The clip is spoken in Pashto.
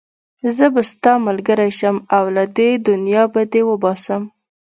زه به ستا ملګری شم او له دې دنيا به دې وباسم.